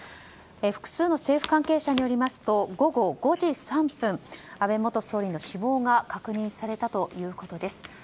複数の政府関係者によりますと午後５時３分、安倍元総理の死亡が確認されたということです。